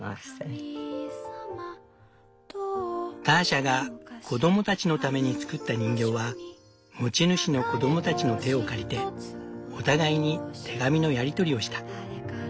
ターシャが子供たちのために作った人形は持ち主の子供たちの手を借りてお互いに手紙のやり取りをした。